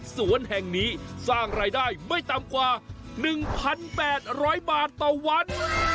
สวนแห่งนี้สร้างรายได้ไม่ต่ำกว่า๑๘๐๐บาทต่อวัน